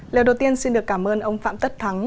lời đầu tiên xin được cảm ơn ông phạm tất thắng